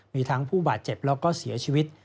มีทั้งผู้บาดเจ็บแล้วก็เสียชีวิต